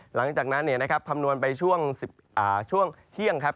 หลังจากนั้นคำนวณไปช่วงเที่ยงครับ